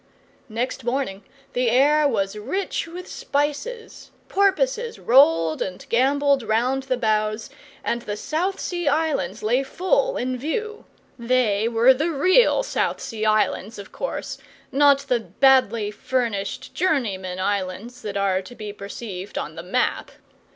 Next morning the air was rich with spices, porpoises rolled and gambolled round the bows, and the South Sea Islands lay full in view (they were the REAL South Sea Islands, of course not the badly furnished journeymen islands that are to be perceived on the map).